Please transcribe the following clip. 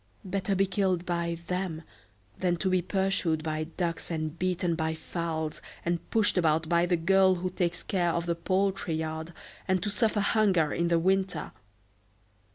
Better be killed by them than to be pursued by ducks, and beaten by fowls, and pushed about by the girl who takes care of the poultry yard, and to suffer hunger in winter!"